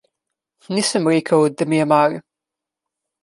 Nisem rekel, da mi je mar.